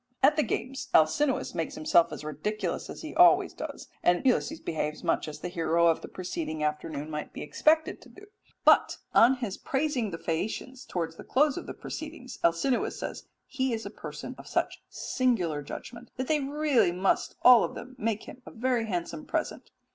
At the games Alcinous makes himself as ridiculous as he always does, and Ulysses behaves much as the hero of the preceding afternoon might be expected to do but on his praising the Phaeacians towards the close of the proceedings Alcinous says he is a person of such singular judgment that they really must all of them make him a very handsome present.